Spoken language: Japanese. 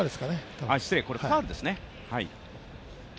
失礼、ファウルですかね。